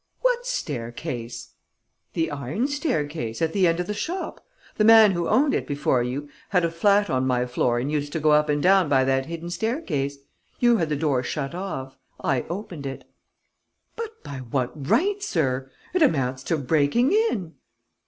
"What staircase?" "The iron staircase, at the end of the shop. The man who owned it before you had a flat on my floor and used to go up and down by that hidden staircase. You had the door shut off. I opened it." "But by what right, sir? It amounts to breaking in."